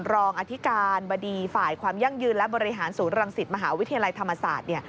รองอธิการบดีฝ่ายความยั่งยืนและบริหารศูนย์รังสิตมหาวิทยาลัยธรรมศาสตร์เนี่ย